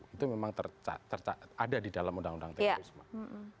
itu memang ada di dalam undang undang terorisme